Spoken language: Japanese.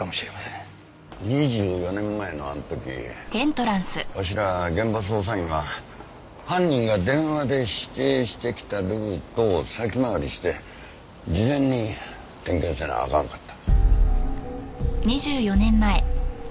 ２４年前のあの時わしら現場捜査員は犯人が電話で指定してきたルートを先回りして事前に点検せなあかんかった。